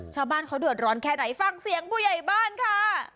ชาวบ้านเขาเดือดร้อนแค่ไหนฟังเสียงผู้ใหญ่บ้านค่ะ